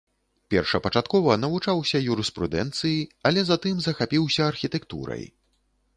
Першапачаткова навучаўся юрыспрудэнцыі, але затым захапіўся архітэктурай.